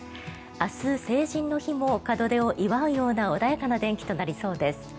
明日成人の日も門出を祝うような穏やかな天気となりそうです。